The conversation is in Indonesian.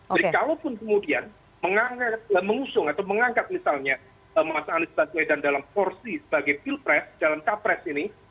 jadi kalaupun kemudian mengusung atau mengangkat mas anies baswedan dalam porsi sebagai pilpres dalam kapres ini